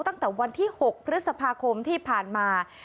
ตั้งแต่วันที่๖พฤษภาคมที่ผ่านมา